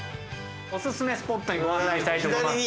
お薦めスポットにご案内したいと思います。